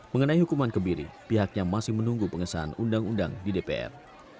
mengenai hukuman kebiri pihaknya masih menunggu pengesahan undang undang di dpr